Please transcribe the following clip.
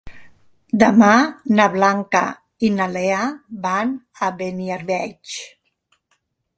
Demà na Blanca i na Lea van a Beniarbeig.